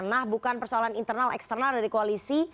nah bukan persoalan internal eksternal dari koalisi